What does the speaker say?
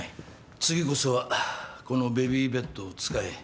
次こそはこのベビーベッドを使え。